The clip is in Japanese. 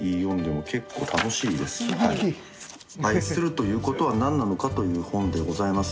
愛するということはなんなのかという本でございます。